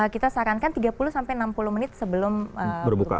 kita sarankan tiga puluh sampai enam puluh menit sebelum berbuka puasa